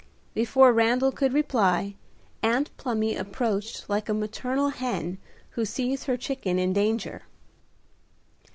Before Randal could reply Aunt Plumy approached like a maternal hen who sees her chicken in danger.